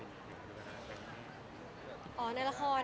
ตัวเป็นอีกหนึ่งอ๋อในละครไง